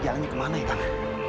seperti ber persona loving